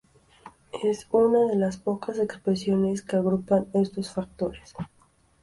Es una de las pocas expresiones que agrupan estos factores.